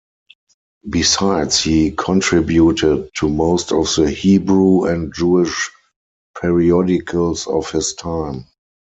Besides he contributed to most of the Hebrew and Jewish periodicals of his time.